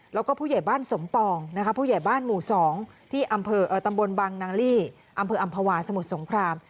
แล้วก็ผู้ใหญ่บ้านสมปองนะคะผู้ใหญ่บ้านหมู่๒ที่อำเภอตำบลบังนางลี่อำเภออำภาวาสมุทรสงคราม